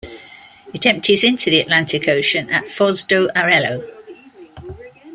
It empties into the Atlantic Ocean at Foz do Arelho.